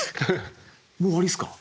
もう終わりっすか？